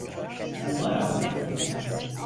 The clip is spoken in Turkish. Numara mı?